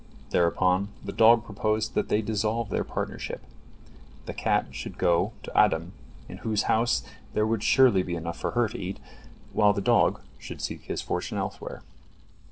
Thereupon the dog proposed that they dissolve their partnership. The cat should go to Adam, in whose house there would surely be enough for her to eat, while the dog should seek his fortune elsewhere.